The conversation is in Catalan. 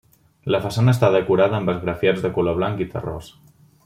La façana està decorada amb esgrafiats de color blanc i terrós.